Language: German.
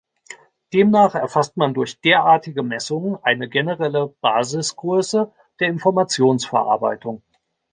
Demnach erfasst man durch derartige Messungen eine generelle Basisgröße der Informationsverarbeitung.